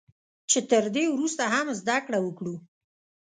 چې تر دې ورسته هم زده کړه وکړو